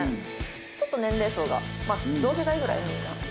ちょっと年齢層がまあ同世代ぐらいみんな。